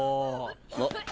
あっ。